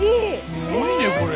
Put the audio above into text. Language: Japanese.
すごいねこれ。